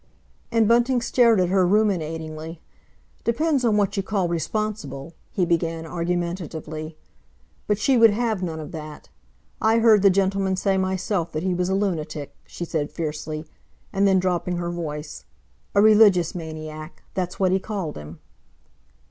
And Bunting stared at her ruminatingly. "Depends on what you call responsible—" he began argumentatively. But she would have none of that. "I heard the gentleman say myself that he was a lunatic," she said fiercely. And then, dropping her voice, "A religious maniac—that's what he called him."